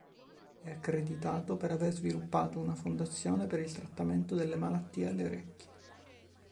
È accreditato per aver sviluppato una fondazione per il trattamento delle malattie alle orecchie.